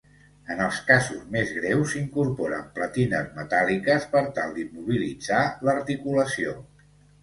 En els casos més greus, incorporen platines metàl·liques per tal d'immobilitzar l'articulació.